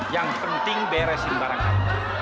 yang penting beresin barang kamu